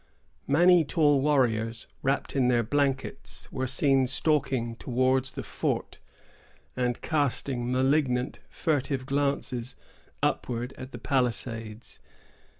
Many tall warriors, wrapped in their blankets, were seen stalking towards the fort, and casting malignant furtive glances upward at the palisades.